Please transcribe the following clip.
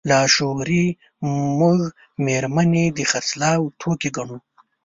لاشعوري موږ مېرمنې د خرڅلاو توکي ګڼو.